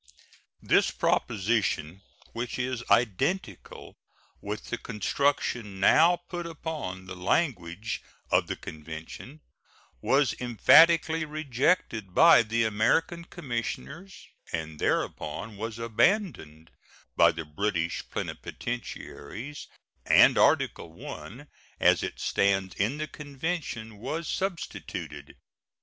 This proposition, which is identical with the construction now put upon the language of the convention, was emphatically rejected by the American commissioners, and thereupon was abandoned by the British plenipotentiaries, and Article I, as it stands in the convention, was substituted.